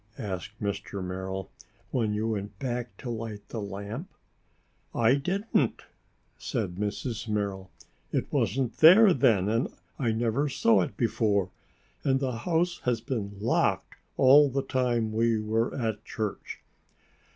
asked Mr. Merrill. "When you went back to light the lamp?" "I didn't," said Mrs. Merrill. "It wasn't there then and I never saw it before, and the house has been locked all the time we were at church."